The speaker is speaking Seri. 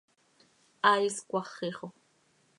¡Hai iscmaxi xo!